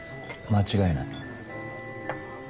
間違いない。